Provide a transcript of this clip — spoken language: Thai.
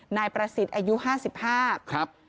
นายประสิทธิ์อายุ๕๕ครับครับนะครับ